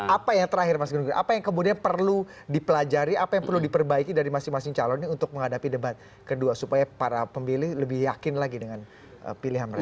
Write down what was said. apa yang terakhir mas gun gun apa yang kemudian perlu dipelajari apa yang perlu diperbaiki dari masing masing calon ini untuk menghadapi debat kedua supaya para pemilih lebih yakin lagi dengan pilihan mereka